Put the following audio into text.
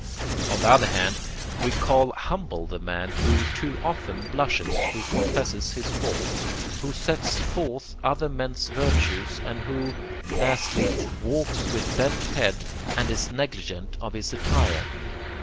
On the other hand, we call humble the man who too often blushes, who confesses his faults, who sets forth other men's virtues, and who, lastly, walks with bent head and is negligent of his attire.